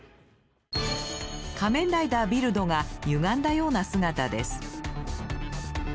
仮面ライダービルドがゆがんだような姿です。